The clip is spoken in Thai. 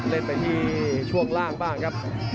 เล่นไปที่ช่วงล่างบ้างครับ